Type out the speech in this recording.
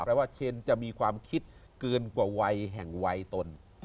ก็จะมีความคิดเกินกว่าไวแห่งไวตน